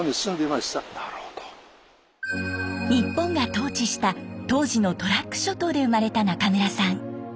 日本が統治した当時のトラック諸島で生まれた中村さん。